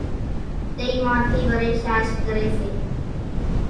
ۮئِي مان ٿِي وريَ ساش ڪريَ سي۔